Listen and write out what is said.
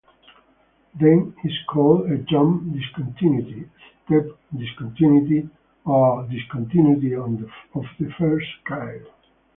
Then, is called a "jump discontinuity", "step discontinuity", or "discontinuity of the first kind".